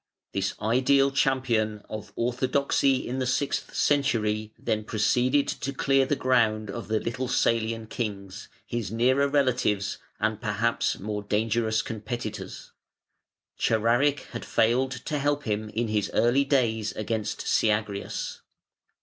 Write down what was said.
This ideal champion of orthodoxy in the sixth century then proceeded to clear the ground of the little Salian kings, his nearer relatives and perhaps more dangerous competitors. Chararic had failed to help him in his early days against Syagrius.